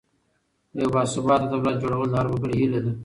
د یو باثباته دولت جوړول د هر وګړي هیله ده.